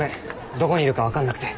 どこにいるか分かんなくて。